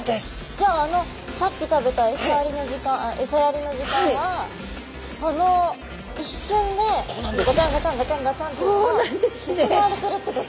じゃああのさっき食べたエサやりの時間はあの一瞬でガチャンガチャンガチャンガチャンっていうのが行われてるってこと？